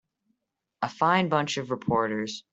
A fine bunch of reporters.